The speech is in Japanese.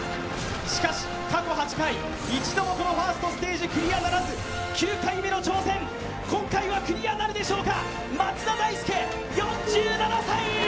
しかし、過去８回、一度もこのファーストステージ、クリアならず、９回目の挑戦、今回はクリアなるでしょうか。